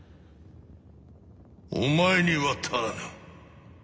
お前には足らぬ。